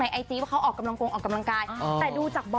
ในกรงไลน์ไอจี